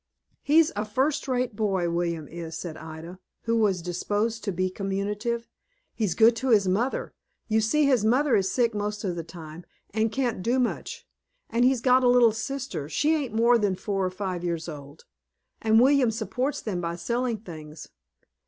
"He's a first rate boy, William is," said Ida, who was disposed to be communicative. "He's good to his mother. You see his mother is sick most of the time, and can't do much; and he's got a little sister, she ain't more than four or five years old and William supports them by selling things.